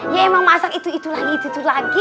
ya emang masak itu itu lagi itu itu lagi